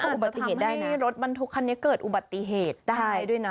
มันอาจจะทำให้รถมันทุกคันนี้เกิดอุบัติเหตุได้ด้วยนะ